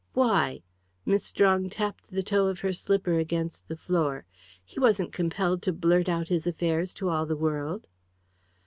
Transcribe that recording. "Why?" Miss Strong tapped the toe of her slipper against the floor. "He wasn't compelled to blurt out his affairs to all the world."